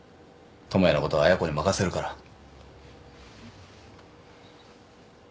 智也のことは亜矢子に任せるから。